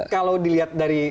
kalau dilihat dari